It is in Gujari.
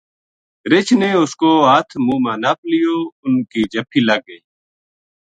رچھ نے اس کو ہتھ منہ ما نپ لیو اُنھ کی جَپھی لگ گئی